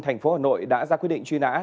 thành phố hà nội đã ra quyết định truy nã